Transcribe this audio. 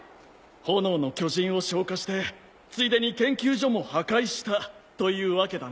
炎の巨人を消火してついでに研究所も破壊したというわけだな。